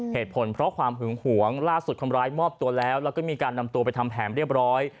เหตุผลเพราะความหึงหวงล่าสุดคนร้ายมอบตัวแล้วแล้วก็มีการนำตัวไปทำแผนเรียบร้อย